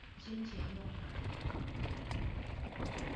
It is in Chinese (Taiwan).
先前用來